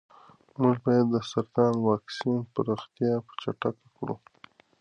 موږ باید د سرطان واکسین پراختیا چټکه کړو.